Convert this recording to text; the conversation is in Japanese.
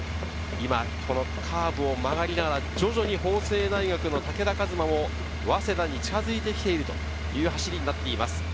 今、カーブを曲がりながら徐々に法政大学の武田和馬が早稲田に近づいてきているという走りになっています。